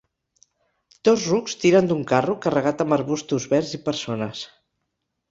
Dos rucs tiren d'un carro, carregat amb arbustos verds i persones.